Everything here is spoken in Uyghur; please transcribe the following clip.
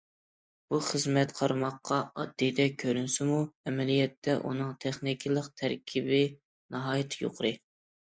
بۇ خىزمەت قارىماققا ئاددىيدەك كۆرۈنسىمۇ، ئەمەلىيەتتە ئۇنىڭ تېخنىكىلىق تەركىبى ناھايىتى يۇقىرى.